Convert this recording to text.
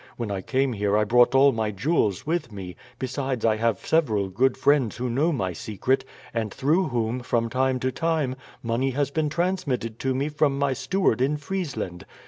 When I came here I brought all my jewels with me; besides, I have several good friends who know my secret, and through whom, from time to time, money has been transmitted to me from my steward in Friesland.